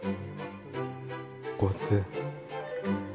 こうやって。